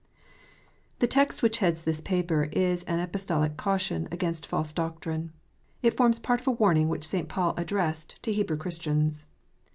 THE text which heads this paper is an Apostolic caution against false doctrine. It forms part of a warning which St. Paul addressed to Hebrew Christians.